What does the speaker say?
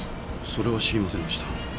それは知りませんでした。